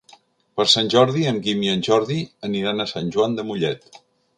Per Sant Jordi en Guim i en Jordi aniran a Sant Joan de Mollet.